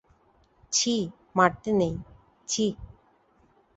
ছি, মারতে নেই, ছি!